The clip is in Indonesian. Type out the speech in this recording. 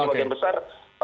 yang paling besar